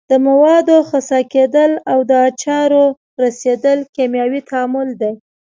د موادو خسا کیدل او د آچار رسیدل کیمیاوي تعامل دي.